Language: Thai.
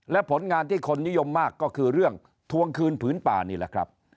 และผลงานที่คนนิยมมากก็คือเรื่องทวงคืนผืนป่านี่แหละครับ